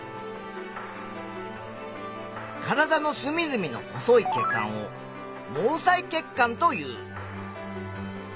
体のすみずみの細い血管を「毛細血管」という。